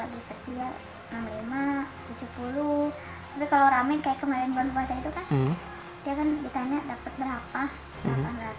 tapi kalau ramen kayak kemarin bulan puasa itu kan dia kan ditanya dapat berapa delapan ratus dibaginya